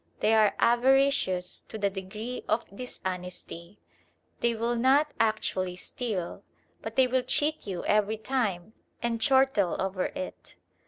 They are avaricious to the degree of dishonesty. They will not actually steal, but they will cheat you every time and chortle over it.